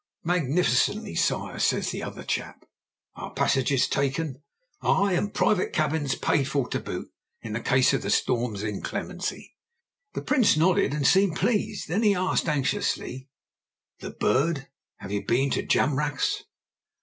"Magnificently, Sire!" says the other chap. "Our passages taken?" "Ay, and private cabins paid for to boot, in case of the storm's inclemency." The Prince nodded and seemed pleased; then he asked anxiously, "The Bird? You have been to Jamrach's?"